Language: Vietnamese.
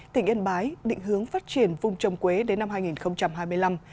tỉnh yên bái định hướng phát triển vùng trồng quế đến năm hai nghìn hai mươi năm